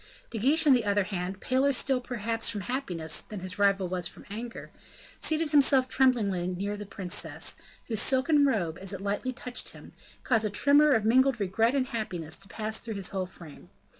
De Guiche, on the other hand, paler still perhaps from happiness, than his rival was from anger, seated himself tremblingly next to the princess, whose silken robe, as it lightly touched him, caused a tremor of mingled regret and happiness to pass through his whole frame.